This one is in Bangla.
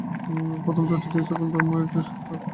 প্রথম তত্ত্বটি এই সকল ধর্মই সত্য।